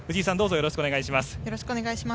よろしくお願いします。